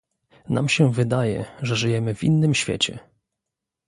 Nam wydaje się, że żyjemy w innym świecie